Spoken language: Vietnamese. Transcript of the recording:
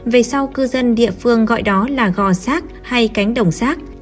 về sau cư dân địa phương gọi đó là gò sát hay cánh đồng xác